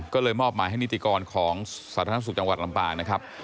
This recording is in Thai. ก็เลยมอบหมายให้นิติกรของสาธารณสุขจังหวัดลำปางนะครับ